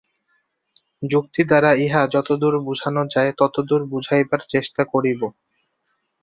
যুক্তি দ্বারা ইহা যতদূর বুঝানো যায়, ততদূর বুঝাইবার চেষ্টা করিব।